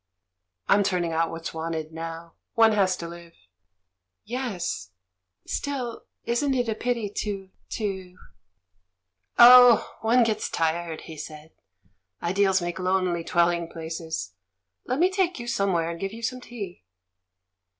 "I'm turning out what's wanted now. One has to live." "Yes. ... Still, isn't it a pity to— to " "Oh, one gets tired!" he said. "Ideals make DEAD VIOLETS 2^3 lonely dwelling places. ... Let me take you somewhere and give you some tea.'